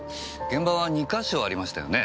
現場は２か所ありましたよね？